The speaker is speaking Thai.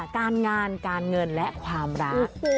การงานการเงินและความรัก